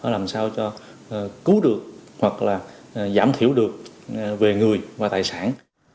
làm sao cho cứu được hoặc là giảm thiểu được về người và tài sản